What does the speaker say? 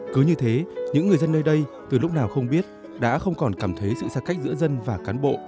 cứ như thế những người dân nơi đây từ lúc nào không biết đã không còn cảm thấy sự xa cách giữa dân và cán bộ